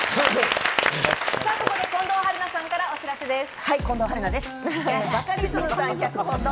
ここで近藤春菜さんからお知らせです。